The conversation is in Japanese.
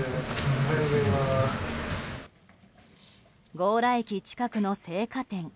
強羅駅近くの青果店。